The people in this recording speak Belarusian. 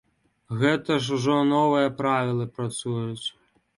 Гэта ж ужо новыя правілы працуюць.